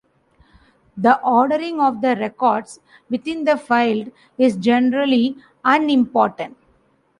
The ordering of the records within the file is generally unimportant.